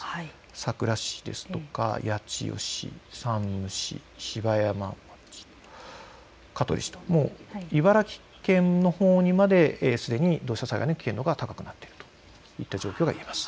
佐倉市ですとか八千代市、山武市、芝山町、香取市と茨城県のほうにまですでに土砂災害の危険度が高くなっているという状況が言えます。